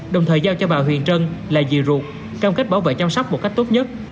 đồng thời giao cho bà huy trân là dì ruột trong cách bảo vệ chăm sóc một cách tốt nhất